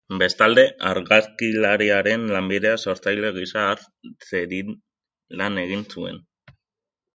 Bestalde, argazkilariaren lanbidea sortzaile gisa har zedin lan egin zuen.